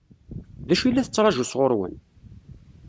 D acu i la tettṛaǧu sɣur-wen?